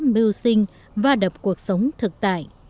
mưu sinh và đập cuộc sống thực tại